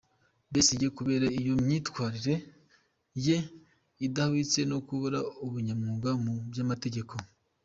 Besigye kubera iyo myitwarire ye idahwitse no kubura ubunyamwuga mu by’amategeko”.